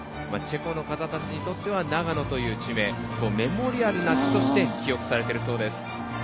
チェコの方たちにとっては「ナガノ」という地名はメモリアルな地として記憶されているそうです。